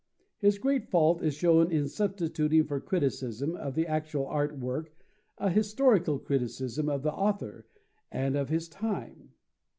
His great fault is shown in substituting for criticism of the actual art work a historical criticism of the author and of his time.